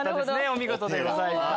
お見事でございます。